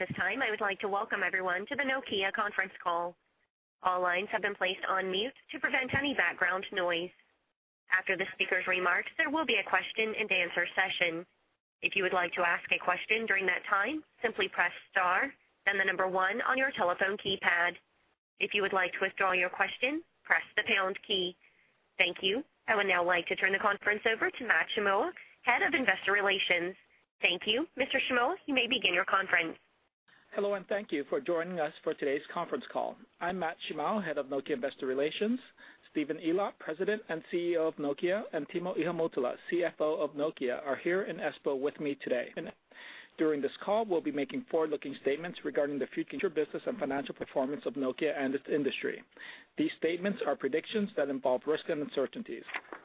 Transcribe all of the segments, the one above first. At this time, I would like to welcome everyone to the Nokia conference call. All lines have been placed on mute to prevent any background noise. After the speaker's remarks, there will be a question-and-answer session. If you would like to ask a question during that time, simply press star, then the number one on your telephone keypad. If you would like to withdraw your question, press the pound key. Thank you. I would now like to turn the conference over to Matt Shimao, head of investor relations. Thank you. Mr. Shimao, you may begin your conference. Hello and thank you for joining us for today's conference call. I'm Matt Shimao, head of Nokia investor relations. Stephen Elop, President and CEO of Nokia, and Timo Ihamuotila, CFO of Nokia, are here in Espoo with me today. During this call, we'll be making forward-looking statements regarding the future business and financial performance of Nokia and its industry. These statements are predictions that involve risk and uncertainties.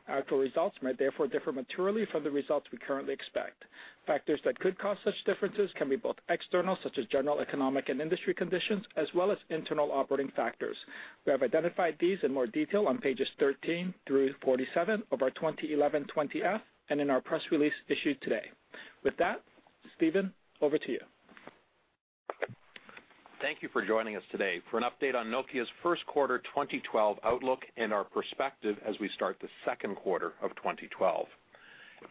Actual results may therefore differ materially from the results we currently expect. Factors that could cause such differences can be both external, such as general economic and industry conditions, as well as internal operating factors. We have identified these in more detail on pages 13 through 47 of our 2011 20-F and in our press release issued today. With that, Stephen, over to you. Thank you for joining us today for an update on Nokia's first quarter 2012 outlook and our perspective as we start the second quarter of 2012.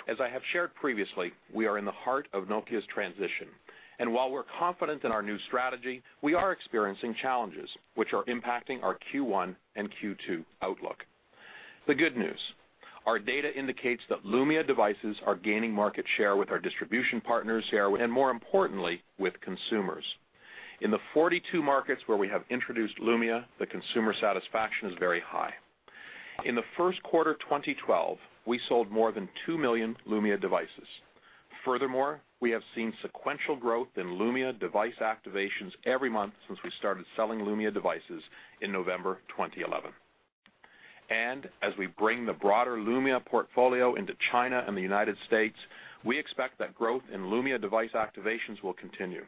As I have shared previously, we are in the heart of Nokia's transition, and while we're confident in our new strategy, we are experiencing challenges which are impacting our Q1 and Q2 outlook. The good news: our data indicates that Lumia devices are gaining market share with our distribution partners, and more importantly, with consumers. In the 42 markets where we have introduced Lumia, the consumer satisfaction is very high. In the first quarter 2012, we sold more than 2 million Lumia devices. Furthermore, we have seen sequential growth in Lumia device activations every month since we started selling Lumia devices in November 2011. As we bring the broader Lumia portfolio into China and the United States, we expect that growth in Lumia device activations will continue.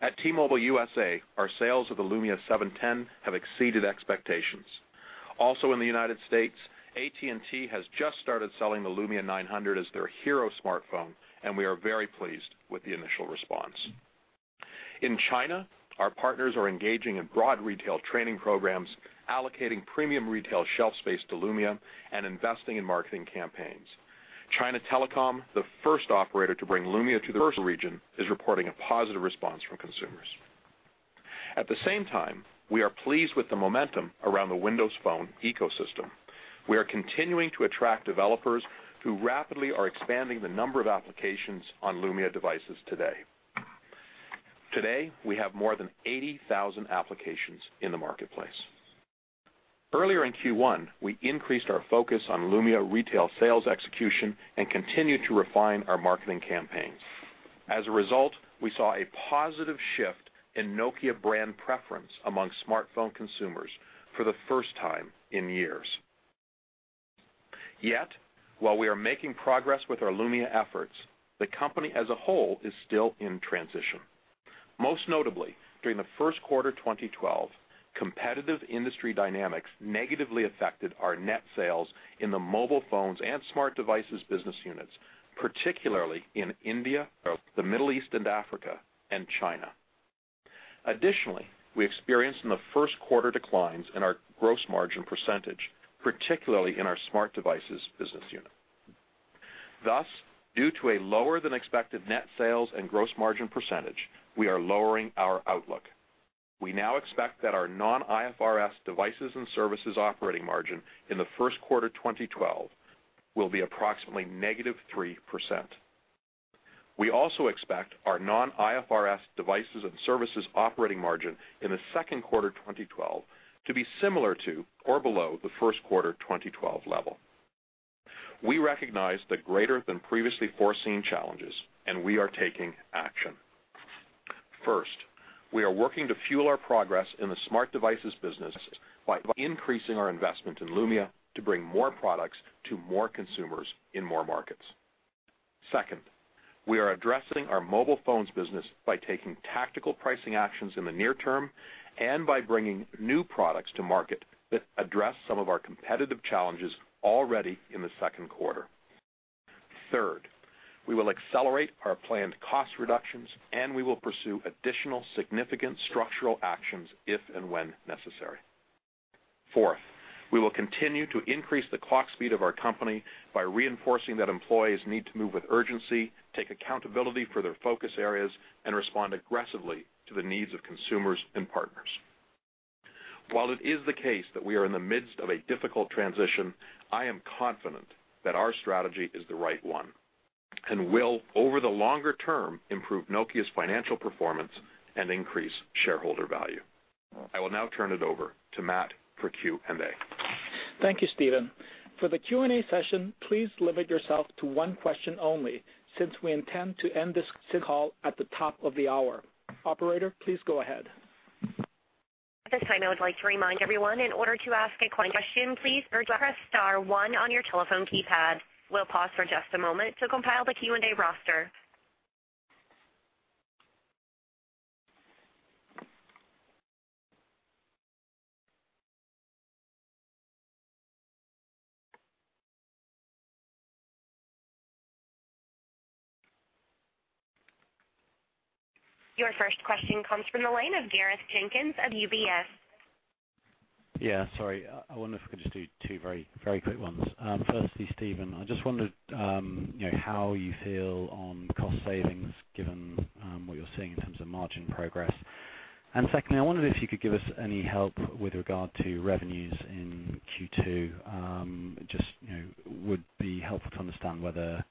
At T-Mobile USA, our sales of the Lumia 710 have exceeded expectations. Also in the United States, AT&T has just started selling the Lumia 900 as their hero smartphone, and we are very pleased with the initial response. In China, our partners are engaging in broad retail training programs, allocating premium retail shelf space to Lumia, and investing in marketing campaigns. China Telecom, the first operator to bring Lumia to the region, is reporting a positive response from consumers. At the same time, we are pleased with the momentum around the Windows Phone ecosystem. We are continuing to attract developers who rapidly are expanding the number of applications on Lumia devices today. Today, we have more than 80,000 applications in the marketplace. Earlier in Q1, we increased our focus on Lumia retail sales execution and continued to refine our marketing campaigns. As a result, we saw a positive shift in Nokia brand preference among smartphone consumers for the first time in years. Yet, while we are making progress with our Lumia efforts, the company as a whole is still in transition. Most notably, during the first quarter 2012, competitive industry dynamics negatively affected our net sales in the mobile phones and smart devices business units, particularly in India, the Middle East, and Africa, and China. Additionally, we experienced in the first quarter declines in our gross margin percentage, particularly in our smart devices business unit. Thus, due to a lower-than-expected net sales and gross margin percentage, we are lowering our outlook. We now expect that our Non-IFRS devices and services operating margin in the first quarter 2012 will be approximately negative 3%. We also expect our Non-IFRS devices and services operating margin in the second quarter 2012 to be similar to or below the first quarter 2012 level. We recognize the greater-than-previously-foreseen challenges, and we are taking action. First, we are working to fuel our progress in the smart devices business by increasing our investment in Lumia to bring more products to more consumers in more markets. Second, we are addressing our mobile phones business by taking tactical pricing actions in the near term and by bringing new products to market that address some of our competitive challenges already in the second quarter. Third, we will accelerate our planned cost reductions, and we will pursue additional significant structural actions if and when necessary. Fourth, we will continue to increase the clock speed of our company by reinforcing that employees need to move with urgency, take accountability for their focus areas, and respond aggressively to the needs of consumers and partners. While it is the case that we are in the midst of a difficult transition, I am confident that our strategy is the right one and will, over the longer term, improve Nokia's financial performance and increase shareholder value. I will now turn it over to Matt for Q&A. Thank you, Stephen. For the Q&A session, please limit yourself to one question only since we intend to end this call at the top of the hour. Operator, please go ahead. At this time, I would like to remind everyone, in order to ask a question, please press star one on your telephone keypad. We'll pause for just a moment to compile the Q&A roster. Your first question comes from the line of Gareth Jenkins of UBS. Yeah, sorry. I wonder if we could just do two very, very quick ones. Firstly, Stephen, I just wondered how you feel on cost savings given what you're seeing in terms of margin progress. And secondly, I wondered if you could give us any help with regard to revenues in Q2. It just would be helpful to understand whether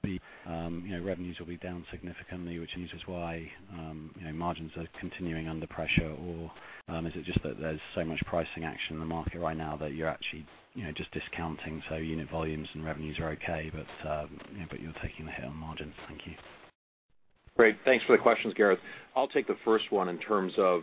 revenues will be down significantly, which is why margins are continuing under pressure, or is it just that there's so much pricing action in the market right now that you're actually just discounting so unit volumes and revenues are okay but you're taking the hit on margins? Thank you. Great. Thanks for the questions, Gareth. I'll take the first one in terms of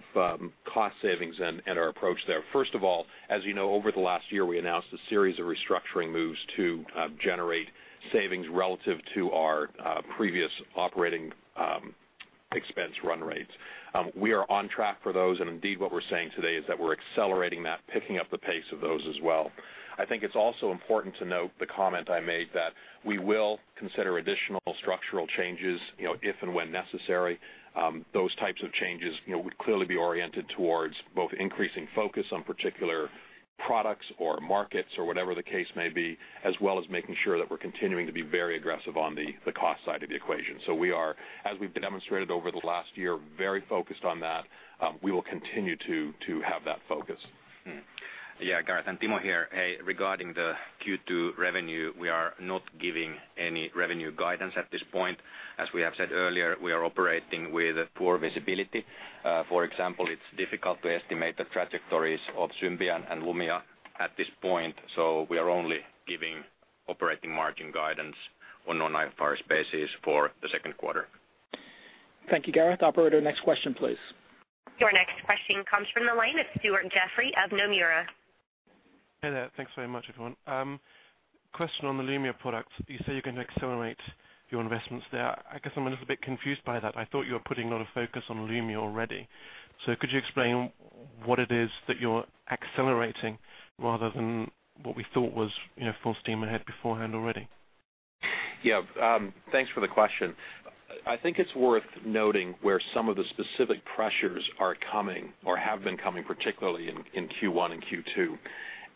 cost savings and our approach there. First of all, as you know, over the last year, we announced a series of restructuring moves to generate savings relative to our previous operating expense run rates. We are on track for those, and indeed, what we're saying today is that we're accelerating that, picking up the pace of those as well. I think it's also important to note the comment I made that we will consider additional structural changes if and when necessary. Those types of changes would clearly be oriented towards both increasing focus on particular products or markets or whatever the case may be, as well as making sure that we're continuing to be very aggressive on the cost side of the equation. We are, as we've demonstrated over the last year, very focused on that. We will continue to have that focus. Yeah, Gareth. And Timo here. Regarding the Q2 revenue, we are not giving any revenue guidance at this point. As we have said earlier, we are operating with poor visibility. For example, it's difficult to estimate the trajectories of Symbian and Lumia at this point, so we are only giving operating margin guidance on non-IFRS basis for the second quarter. Thank you, Gareth. Operator, next question, please. Your next question comes from the line of Stuart Jeffrey of Nomura. Hey there. Thanks very much, everyone. Question on the Lumia products. You say you're going to accelerate your investments there. I guess I'm a little bit confused by that. I thought you were putting a lot of focus on Lumia already. So could you explain what it is that you're accelerating rather than what we thought was full steam ahead beforehand already? Yeah. Thanks for the question. I think it's worth noting where some of the specific pressures are coming or have been coming, particularly in Q1 and Q2.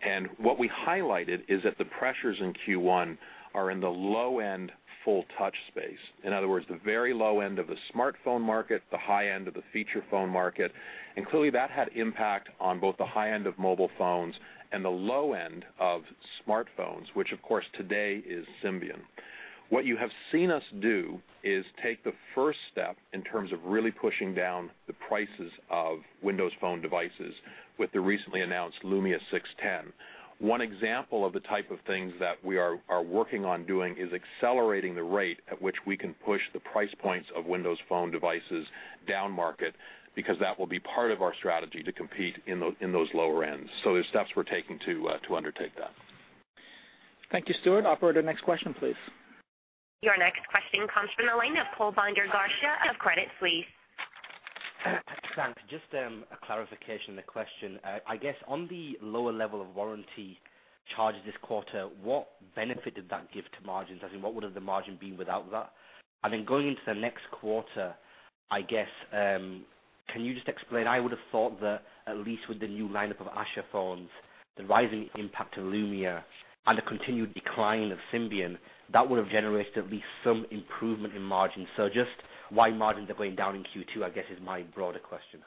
And what we highlighted is that the pressures in Q1 are in the low-end full-touch space. In other words, the very low end of the smartphone market, the high end of the feature phone market. And clearly, that had impact on both the high end of mobile phones and the low end of smartphones, which, of course, today is Symbian. What you have seen us do is take the first step in terms of really pushing down the prices of Windows Phone devices with the recently announced Lumia 610. One example of the type of things that we are working on doing is accelerating the rate at which we can push the price points of Windows Phone devices down market because that will be part of our strategy to compete in those lower ends. So there's steps we're taking to undertake that. Thank you, Stuart. Operator, next question, please. Your next question comes from the line of Kulbinder Garcha. Of Credit Suisse. Thanks. Just a clarification on the question. I guess on the lower level of warranty charges this quarter, what benefit did that give to margins? I mean, what would have the margin been without that? And then going into the next quarter, I guess, can you just explain? I would have thought that at least with the new lineup of Asha phones, the rising impact of Lumia, and the continued decline of Symbian, that would have generated at least some improvement in margins. So just why margins are going down in Q2, I guess, is my broader question?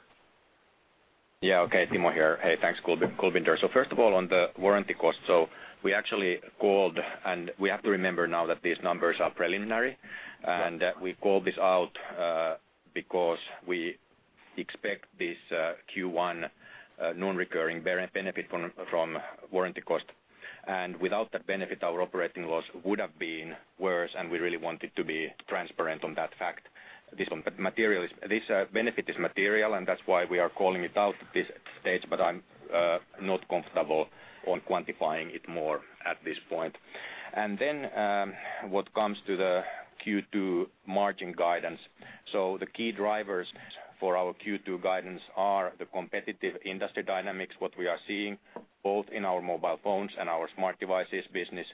Yeah. Okay. Timo here. Hey, thanks, Kulbinder Garcha. So first of all, on the warranty cost, so we actually called and we have to remember now that these numbers are preliminary, and we called this out because we expect this Q1 non-recurring benefit from warranty cost. And without that benefit, our operating loss would have been worse, and we really wanted to be transparent on that fact. This benefit is material, and that's why we are calling it out at this stage, but I'm not comfortable quantifying it more at this point. And then what comes to the Q2 margin guidance. So the key drivers for our Q2 guidance are the competitive industry dynamics, what we are seeing both in our mobile phones and our smart devices business.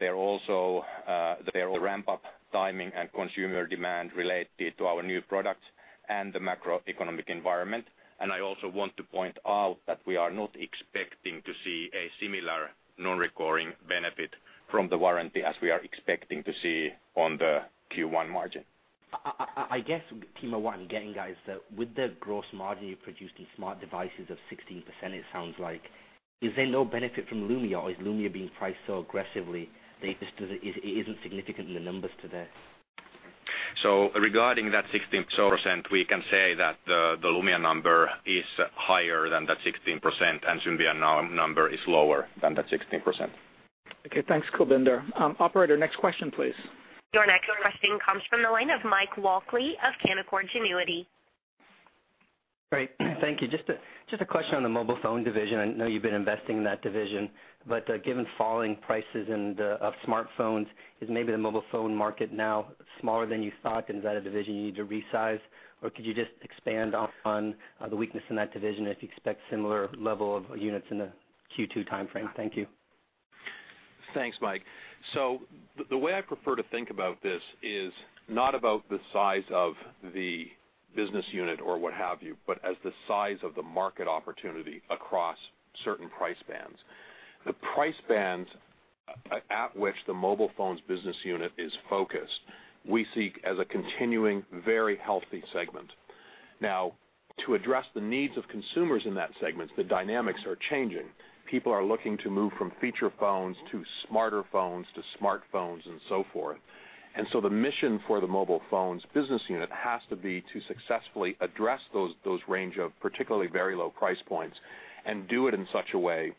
There are also the ramp-up timing and consumer demand related to our new products and the macroeconomic environment. I also want to point out that we are not expecting to see a similar non-recurring benefit from the warranty as we are expecting to see on the Q1 margin. I guess, Timo, what I'm getting, guys, is that with the gross margin you produced in smart devices of 16%, it sounds like, is there no benefit from Lumia, or is Lumia being priced so aggressively that it isn't significant in the numbers today? So regarding that 16%, we can say that the Lumia number is higher than that 16%, and Symbian number is lower than that 16%. Okay. Thanks, Kulbinder Garcha. Operator, next question, please. Your next question comes from the line of Mike Walkley of Canaccord Genuity. Great. Thank you. Just a question on the mobile phone division. I know you've been investing in that division, but given falling prices of smartphones, is maybe the mobile phone market now smaller than you thought, and is that a division you need to resize, or could you just expand on the weakness in that division if you expect similar level of units in the Q2 timeframe? Thank you. Thanks, Mike. So the way I prefer to think about this is not about the size of the business unit or what have you, but as the size of the market opportunity across certain price bands. The price bands at which the mobile phones business unit is focused, we see as a continuing, very healthy segment. Now, to address the needs of consumers in that segment, the dynamics are changing. People are looking to move from feature phones to smarter phones to smartphones and so forth. And so the mission for the mobile phones business unit has to be to successfully address those range of particularly very low price points and do it in such a way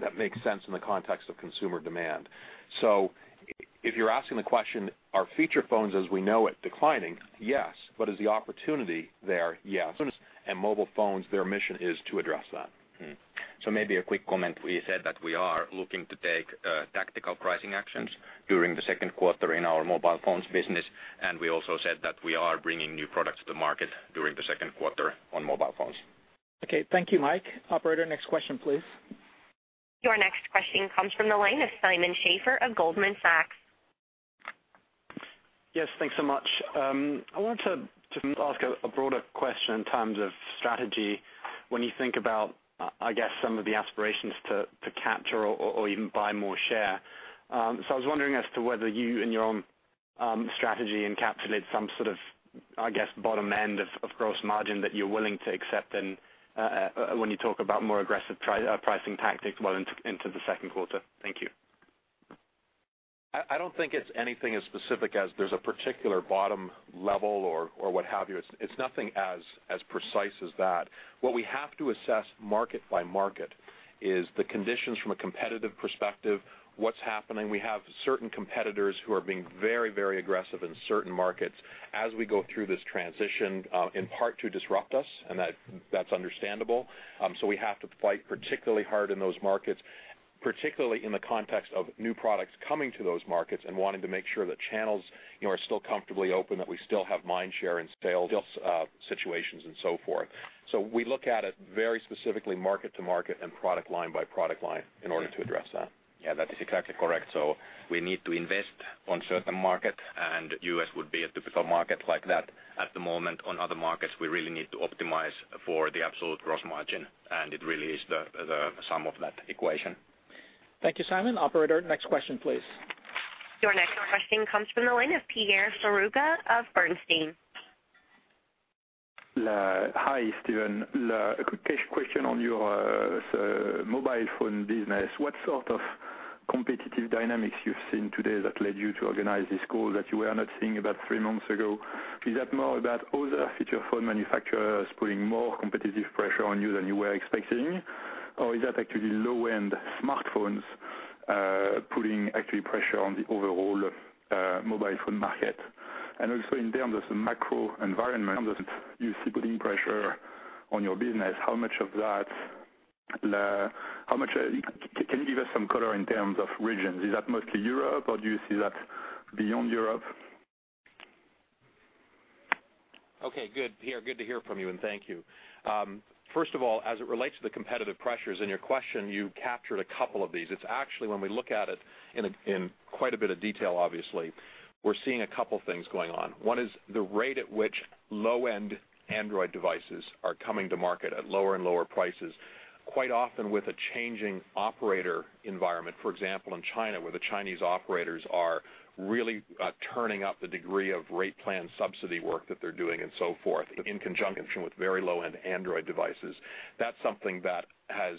that makes sense in the context of consumer demand. So if you're asking the question, are feature phones as we know it declining? Yes. But is the opportunity there? Yes. Mobile phones, their mission is to address that. So maybe a quick comment. We said that we are looking to take tactical pricing actions during the second quarter in our mobile phones business, and we also said that we are bringing new products to the market during the second quarter on mobile phones. Okay. Thank you, Mike. Operator, next question, please. Your next question comes from the line of Simon Schafer of Goldman Sachs. Yes. Thanks so much. I wanted to just ask a broader question in terms of strategy when you think about, I guess, some of the aspirations to capture or even buy more share. So I was wondering as to whether you, in your own strategy, encapsulate some sort of, I guess, bottom end of gross margin that you're willing to accept when you talk about more aggressive pricing tactics well into the second quarter. Thank you. I don't think it's anything as specific as there's a particular bottom level or what have you. It's nothing as precise as that. What we have to assess market by market is the conditions from a competitive perspective, what's happening. We have certain competitors who are being very, very aggressive in certain markets as we go through this transition, in part to disrupt us, and that's understandable. So we have to fight particularly hard in those markets, particularly in the context of new products coming to those markets and wanting to make sure that channels are still comfortably open, that we still have mindshare in sales situations, and so forth. So we look at it very specifically market to market and product line by product line in order to address that. Yeah. That's exactly correct. So we need to invest on certain markets, and the U.S. would be a typical market like that. At the moment, on other markets, we really need to optimize for the absolute gross margin, and it really is the sum of that equation. Thank you, Simon. Operator, next question, please. Your next question comes from the line of Pierre Ferragu of Bernstein. Hi, Stephen. A quick question on your mobile phone business. What sort of competitive dynamics you've seen today that led you to organize this call that you were not seeing about three months ago? Is that more about other feature phone manufacturers putting more competitive pressure on you than you were expecting, or is that actually low-end smartphones putting actual pressure on the overall mobile phone market? And also in terms of the macro environment, you see putting pressure on your business. How much of that can you give us some color in terms of regions? Is that mostly Europe, or do you see that beyond Europe? Okay. Good, Pierre. Good to hear from you, and thank you. First of all, as it relates to the competitive pressures, in your question, you captured a couple of these. It's actually when we look at it in quite a bit of detail, obviously, we're seeing a couple of things going on. One is the rate at which low-end Android devices are coming to market at lower and lower prices, quite often with a changing operator environment. For example, in China, where the Chinese operators are really turning up the degree of rate plan subsidy work that they're doing and so forth in conjunction with very low-end Android devices. That's something that has,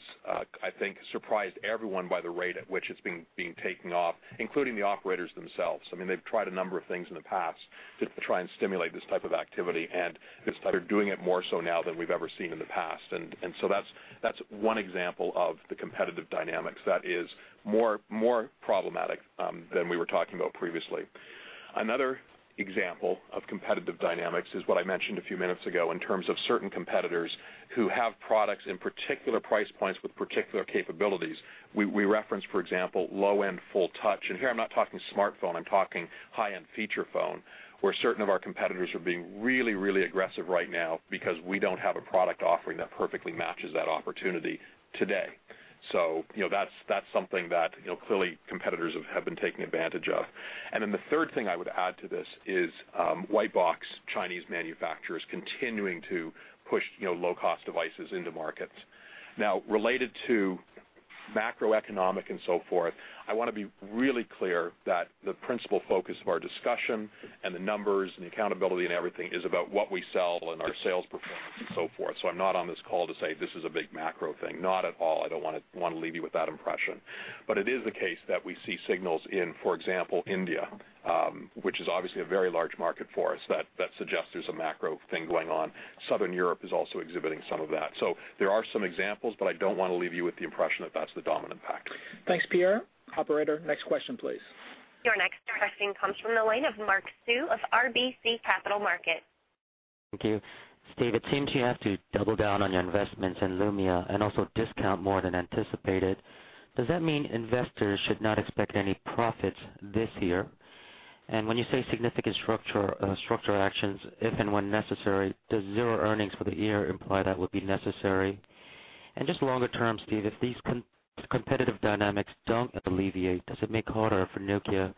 I think, surprised everyone by the rate at which it's being taken off, including the operators themselves. I mean, they've tried a number of things in the past to try and stimulate this type of activity, and they're doing it more so now than we've ever seen in the past. So that's one example of the competitive dynamics that is more problematic than we were talking about previously. Another example of competitive dynamics is what I mentioned a few minutes ago in terms of certain competitors who have products in particular price points with particular capabilities. We referenced, for example, low-end full-touch. And here, I'm not talking smartphone. I'm talking high-end feature phone, where certain of our competitors are being really, really aggressive right now because we don't have a product offering that perfectly matches that opportunity today. So that's something that clearly competitors have been taking advantage of. And then the third thing I would add to this is white-box Chinese manufacturers continuing to push low-cost devices into markets. Now, related to macroeconomic and so forth, I want to be really clear that the principal focus of our discussion and the numbers and the accountability and everything is about what we sell and our sales performance and so forth. So I'm not on this call to say this is a big macro thing. Not at all. I don't want to leave you with that impression. But it is the case that we see signals in, for example, India, which is obviously a very large market for us that suggests there's a macro thing going on. Southern Europe is also exhibiting some of that. So there are some examples, but I don't want to leave you with the impression that that's the dominant factor. Thanks, Pierre. Operator, next question, please. Your next question comes from the line of Mark Sue of RBC Capital Markets. Thank you, Steve. It seems you have to double down on your investments in Lumia and also discount more than anticipated. Does that mean investors should not expect any profits this year? And when you say significant structural actions, if and when necessary, does zero earnings for the year imply that would be necessary? And just longer term, Steve, if these competitive dynamics don't alleviate, does it make harder for Nokia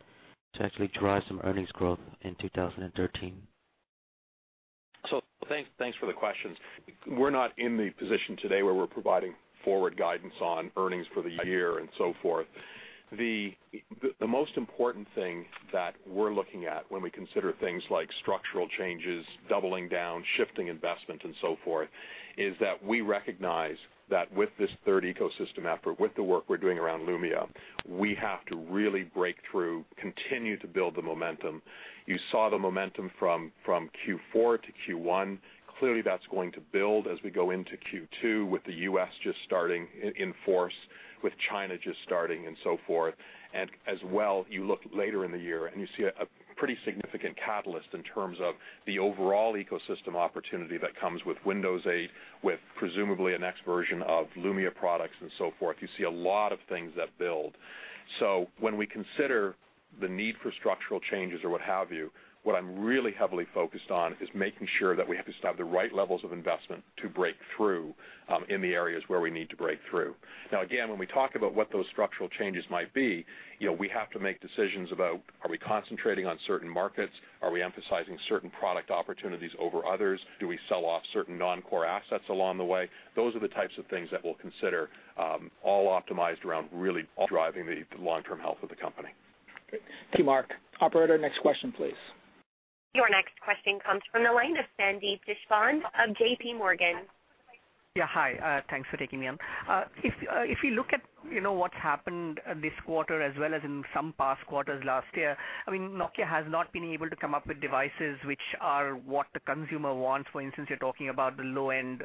to actually drive some earnings growth in 2013? So thanks for the questions. We're not in the position today where we're providing forward guidance on earnings for the year and so forth. The most important thing that we're looking at when we consider things like structural changes, doubling down, shifting investment, and so forth, is that we recognize that with this third ecosystem effort, with the work we're doing around Lumia, we have to really break through, continue to build the momentum. You saw the momentum from Q4 to Q1. Clearly, that's going to build as we go into Q2 with the U.S. just starting in force, with China just starting, and so forth. And as well, you look later in the year, and you see a pretty significant catalyst in terms of the overall ecosystem opportunity that comes with Windows 8, with presumably a next version of Lumia products, and so forth. You see a lot of things that build. So when we consider the need for structural changes or what have you, what I'm really heavily focused on is making sure that we have to have the right levels of investment to break through in the areas where we need to break through. Now, again, when we talk about what those structural changes might be, we have to make decisions about, are we concentrating on certain markets? Are we emphasizing certain product opportunities over others? Do we sell off certain non-core assets along the way? Those are the types of things that we'll consider, all optimized around really driving the long-term health of the company. Great. Thank you, Mark. Operator, next question, please. Your next question comes from the line of Sandy Deshpande of J.P. Morgan. Yeah. Hi. Thanks for taking me on. If you look at what's happened this quarter as well as in some past quarters last year, I mean, Nokia has not been able to come up with devices which are what the consumer wants. For instance, you're talking about the low-end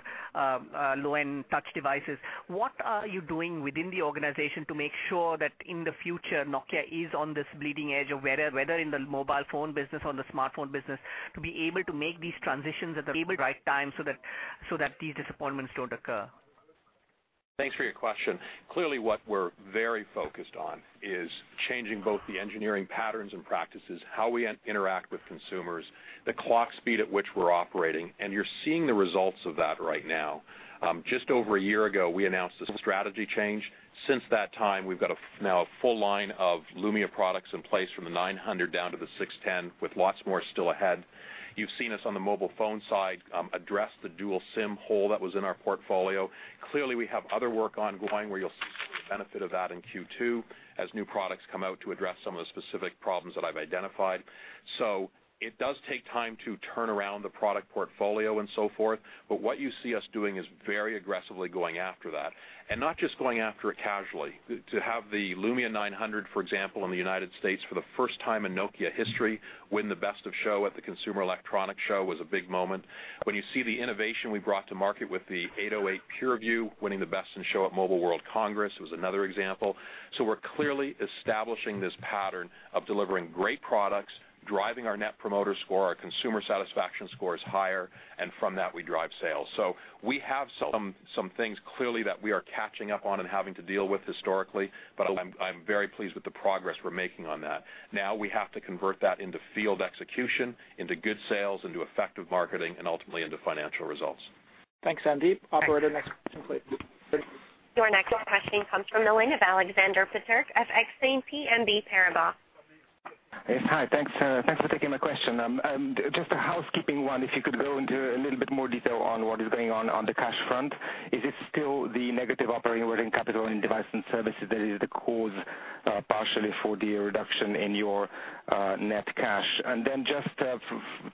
touch devices. What are you doing within the organization to make sure that in the future, Nokia is on this bleeding edge, whether in the mobile phone business or the smartphone business, to be able to make these transitions at the right time so that these disappointments don't occur? Thanks for your question. Clearly, what we're very focused on is changing both the engineering patterns and practices, how we interact with consumers, the clock speed at which we're operating. You're seeing the results of that right now. Just over a year ago, we announced a strategy change. Since that time, we've got now a full line of Lumia products in place from the 900 down to the 610, with lots more still ahead. You've seen us on the mobile phone side address the Dual SIM hole that was in our portfolio. Clearly, we have other work ongoing where you'll see some of the benefit of that in Q2 as new products come out to address some of the specific problems that I've identified. So it does take time to turn around the product portfolio and so forth, but what you see us doing is very aggressively going after that, and not just going after it casually. To have the Lumia 900, for example, in the United States for the first time in Nokia history, win the Best of Show at the Consumer Electronics Show was a big moment. When you see the innovation we brought to market with the 808 PureView, winning the Best in Show at Mobile World Congress, it was another example. So we're clearly establishing this pattern of delivering great products, driving our net promoter score, our consumer satisfaction score is higher, and from that, we drive sales. So we have some things clearly that we are catching up on and having to deal with historically, but I'm very pleased with the progress we're making on that. Now, we have to convert that into field execution, into good sales, into effective marketing, and ultimately into financial results. Thanks, Sandy. Operator, next question, please. Your next question comes from the line of Alexander Peterc of Exane BNP Paribas. Hi. Thanks for taking my question. Just a housekeeping one, if you could go into a little bit more detail on what is going on on the cash front. Is it still the negative operating working capital in Devices and Services that is the cause partially for the reduction in your net cash? And then just to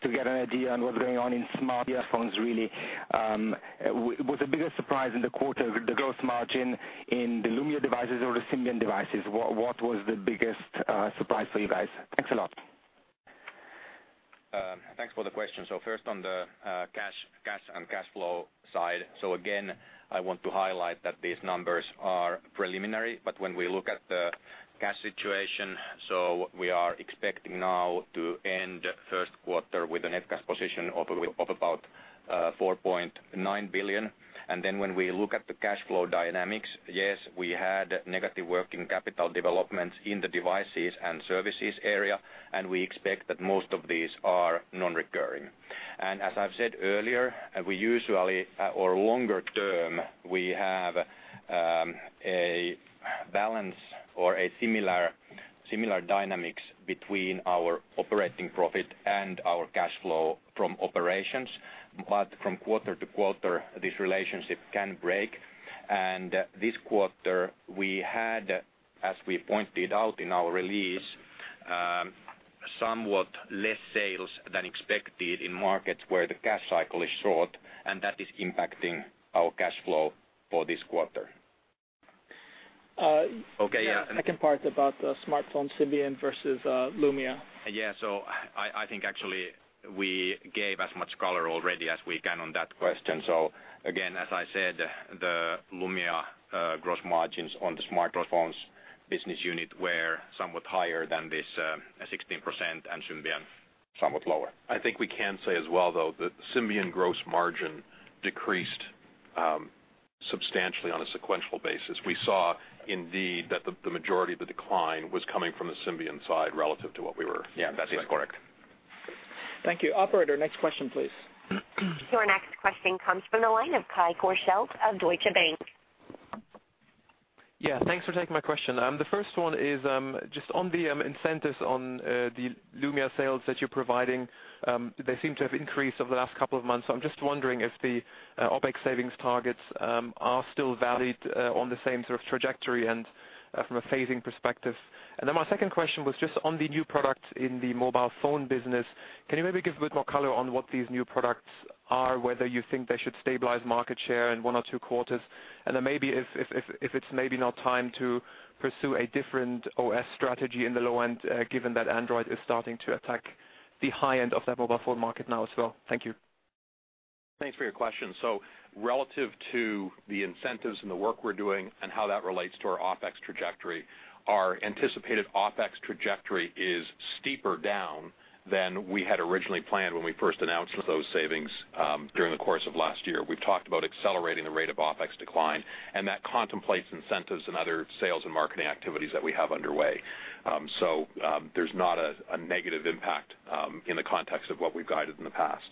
get an idea on what's going on in smartphones, really, was the biggest surprise in the quarter the gross margin in the Lumia devices or the Symbian devices? What was the biggest surprise for you guys? Thanks a lot. Thanks for the question. So first, on the cash and cash flow side, so again, I want to highlight that these numbers are preliminary. But when we look at the cash situation, so we are expecting now to end first quarter with a net cash position of about 4.9 billion. And then when we look at the cash flow dynamics, yes, we had negative working capital developments in the devices and services area, and we expect that most of these are non-recurring. And as I've said earlier, we usually or longer term, we have a balance or a similar dynamics between our operating profit and our cash flow from operations. But from quarter to quarter, this relationship can break. This quarter, we had, as we pointed out in our release, somewhat less sales than expected in markets where the cash cycle is short, and that is impacting our cash flow for this quarter. Okay. Yeah. And. Second part about the smartphone Symbian versus Lumia. Yeah. So I think actually we gave as much color already as we can on that question. So again, as I said, the Lumia gross margins on the smartphones business unit were somewhat higher than this 16% and Symbian somewhat lower. I think we can say as well, though, that Symbian gross margin decreased substantially on a sequential basis. We saw indeed that the majority of the decline was coming from the Symbian side relative to what we were expecting. Yeah. That is correct. Thank you. Operator, next question, please. Your next question comes from the line of Kai Korschelt of Deutsche Bank. Yeah. Thanks for taking my question. The first one is just on the incentives on the Lumia sales that you're providing, they seem to have increased over the last couple of months. So I'm just wondering if the OPEX savings targets are still valid on the same sort of trajectory and from a phasing perspective. And then my second question was just on the new products in the mobile phone business. Can you maybe give a bit more color on what these new products are, whether you think they should stabilize market share in one or two quarters, and then maybe if it's maybe not time to pursue a different OS strategy in the low-end given that Android is starting to attack the high-end of that mobile phone market now as well? Thank you. Thanks for your question. So relative to the incentives and the work we're doing and how that relates to our OpEx trajectory, our anticipated OpEx trajectory is steeper down than we had originally planned when we first announced those savings during the course of last year. We've talked about accelerating the rate of OpEx decline, and that contemplates incentives and other sales and marketing activities that we have underway. So there's not a negative impact in the context of what we've guided in the past.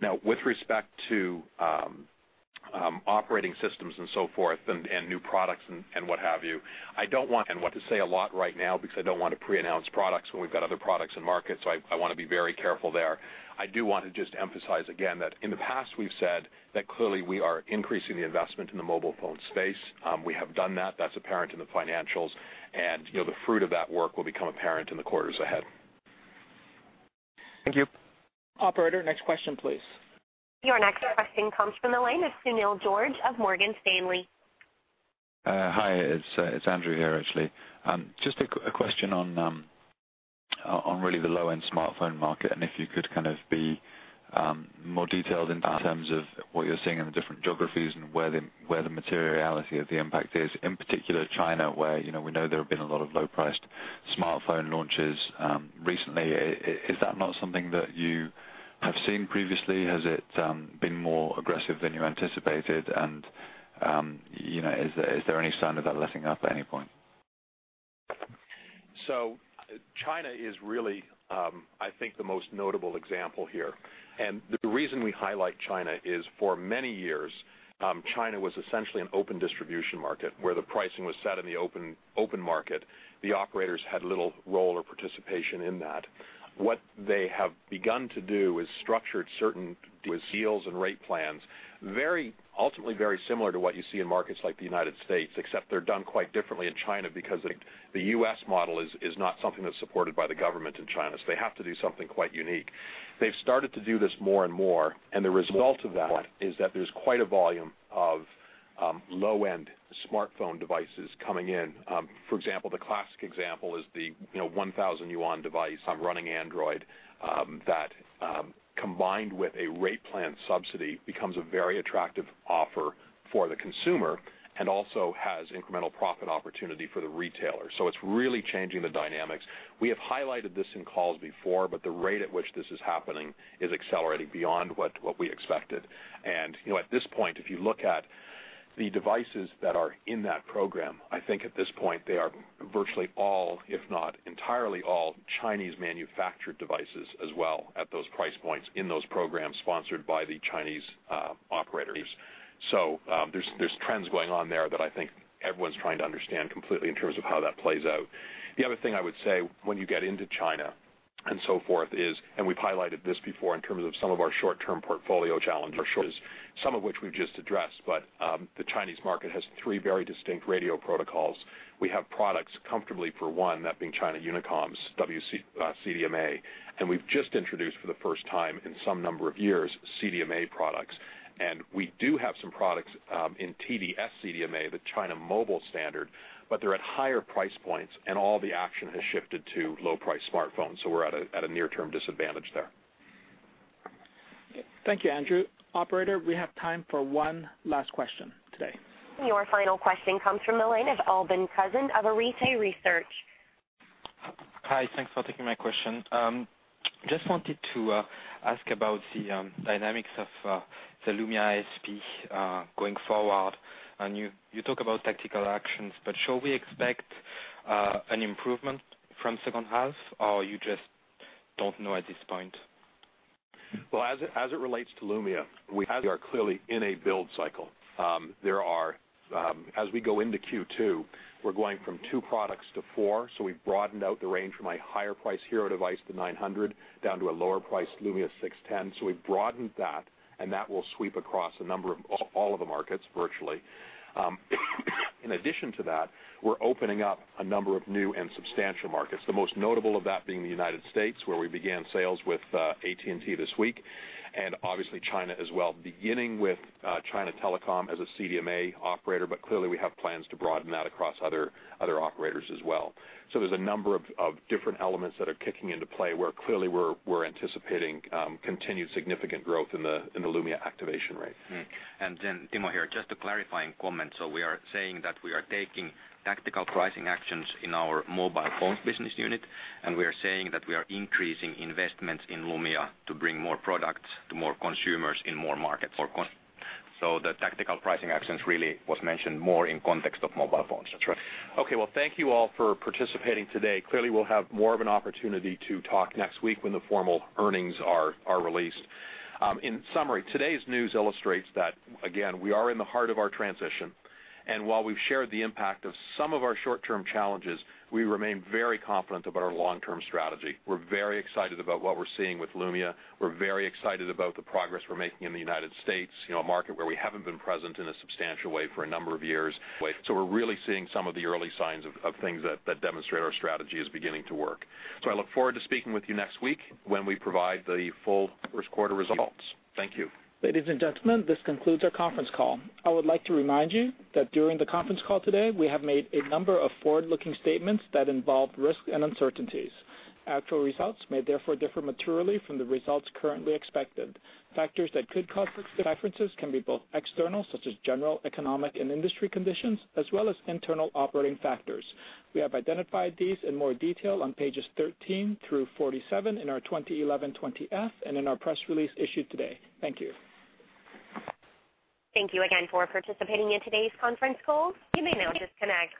Now, with respect to operating systems and so forth and new products and what have you, I don't want to say a lot right now because I don't want to pre-announce products when we've got other products in market, so I want to be very careful there. I do want to just emphasize again that in the past, we've said that clearly we are increasing the investment in the mobile phone space. We have done that. That's apparent in the financials, and the fruit of that work will become apparent in the quarters ahead. Thank you. Operator, next question, please. Your next question comes from the line of Andrew Gardiner of Morgan Stanley. Hi. It's Andrew here, actually. Just a question on really the low-end smartphone market and if you could kind of be more detailed in terms of what you're seeing in the different geographies and where the materiality of the impact is. In particular, China, where we know there have been a lot of low-priced smartphone launches recently, is that not something that you have seen previously? Has it been more aggressive than you anticipated? And is there any sign of that letting up at any point? So China is really, I think, the most notable example here. And the reason we highlight China is for many years, China was essentially an open distribution market where the pricing was set in the open market. The operators had little role or participation in that. What they have begun to do is structure certain deals and rate plans ultimately very similar to what you see in markets like the United States, except they're done quite differently in China because the US model is not something that's supported by the government in China. So they have to do something quite unique. They've started to do this more and more, and the result of that is that there's quite a volume of low-end smartphone devices coming in. For example, the classic example is the 1,000 yuan device running Android that, combined with a rate plan subsidy, becomes a very attractive offer for the consumer and also has incremental profit opportunity for the retailer. So it's really changing the dynamics. We have highlighted this in calls before, but the rate at which this is happening is accelerating beyond what we expected. And at this point, if you look at the devices that are in that program, I think at this point, they are virtually all, if not entirely all, Chinese-manufactured devices as well at those price points in those programs sponsored by the Chinese operators. So there's trends going on there that I think everyone's trying to understand completely in terms of how that plays out. The other thing I would say when you get into China and so forth is, and we've highlighted this before in terms of some of our short-term portfolio challenges, some of which we've just addressed, but the Chinese market has three very distinct radio protocols. We have products comfortably, for one, that being China Unicom's WCDMA. And we've just introduced for the first time in some number of years CDMA products. And we do have some products in TD-SCDMA, the China Mobile standard, but they're at higher price points, and all the action has shifted to low-priced smartphones. So we're at a near-term disadvantage there. Thank you, Andrew. Operator, we have time for one last question today. Your final question comes from the line of Adnaan Ahmad of Arete Research. Hi. Thanks for taking my question. Just wanted to ask about the dynamics of the Lumia ASP going forward. And you talk about tactical actions, but shall we expect an improvement from second half, or you just don't know at this point? Well, as it relates to Lumia, we are clearly in a build cycle. As we go into Q2, we're going from two products to four. So we've broadened out the range from a higher-priced Hero device, the 900, down to a lower-priced Lumia 610. So we've broadened that, and that will sweep across a number of all of the markets virtually. In addition to that, we're opening up a number of new and substantial markets, the most notable of that being the United States where we began sales with AT&T this week, and obviously, China as well, beginning with China Telecom as a CDMA operator. But clearly, we have plans to broaden that across other operators as well. So there's a number of different elements that are kicking into play where clearly, we're anticipating continued significant growth in the Lumia activation rate. Then Timo here, just a clarifying comment. So we are saying that we are taking tactical pricing actions in our mobile phones business unit, and we are saying that we are increasing investments in Lumia to bring more products to more consumers in more markets. So the tactical pricing actions really was mentioned more in context of mobile phones. That's right. Okay. Well, thank you all for participating today. Clearly, we'll have more of an opportunity to talk next week when the formal earnings are released. In summary, today's news illustrates that, again, we are in the heart of our transition. And while we've shared the impact of some of our short-term challenges, we remain very confident about our long-term strategy. We're very excited about what we're seeing with Lumia. We're very excited about the progress we're making in the United States, a market where we haven't been present in a substantial way for a number of years. So we're really seeing some of the early signs of things that demonstrate our strategy is beginning to work. So I look forward to speaking with you next week when we provide the full first-quarter results. Thank you. Ladies and gentlemen, this concludes our conference call. I would like to remind you that during the conference call today, we have made a number of forward-looking statements that involve risk and uncertainties. Actual results may therefore differ materially from the results currently expected. Factors that could cause differences can be both external, such as general economic and industry conditions, as well as internal operating factors. We have identified these in more detail on pages 13 through 47 in our 2011 20-F and in our press release issued today. Thank you. Thank you again for participating in today's conference call. You may now disconnect.